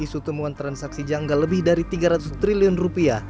isu temuan transaksi janggal lebih dari tiga ratus triliun rupiah